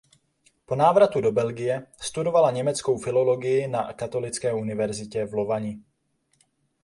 Po návratu do Belgie studovala německou filologii na Katolické univerzitě v Lovani.